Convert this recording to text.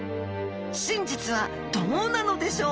真実はどうなのでしょう？